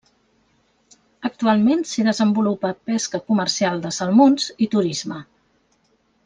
Actualment s'hi desenvolupa pesca comercial de salmons i turisme.